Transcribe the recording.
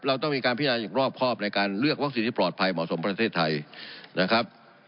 เราต้องมีการพิจารณ์อย่างรอบครอบในการเลือกวัคซีนที่ปลอดภัยเหมาะสมประเทศไทยนะครับ